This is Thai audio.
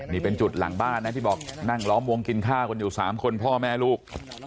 นี่เป็นจุดหลังบ้านนะที่บอกนั่งล้อมวงกินข้าวกันอยู่๓คนพ่อแม่ลูก